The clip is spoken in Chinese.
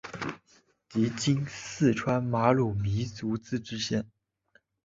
即今四川马边彝族自治县。